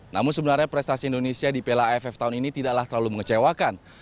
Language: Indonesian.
namun sebenarnya prestasi indonesia di piala aff tahun ini tidaklah terlalu mengecewakan